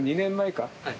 はい。